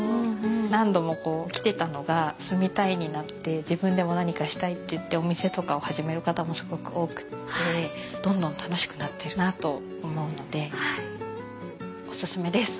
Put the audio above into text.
何度も来てたのが住みたいになって自分でも何かしたいっていってお店とかを始める方もすごく多くてどんどん楽しくなってるなと思うのでオススメです！